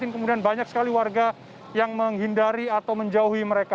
kemudian banyak sekali warga yang menghindari atau menjauhi mereka